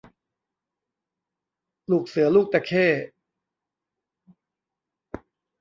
ลูกเสือลูกตะเข้